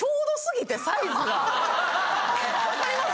わかります？